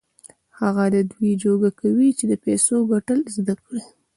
هغه د دې جوګه کوي چې د پيسو ګټل زده کړي.